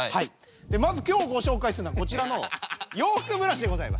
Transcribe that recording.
まずきょうごしょうかいするのはこちらの洋服ブラシでございます。